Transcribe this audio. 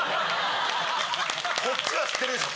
こっちは知ってるでしょ